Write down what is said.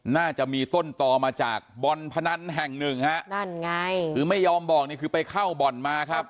น่าจะมีต้นต่อมาจากบ่อนพนันแห่งหนึ่งฮะนั่นไงคือไม่ยอมบอกนี่คือไปเข้าบ่อนมาครับ